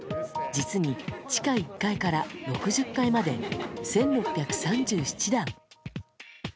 実に地下１階から６０階まで１６３７段。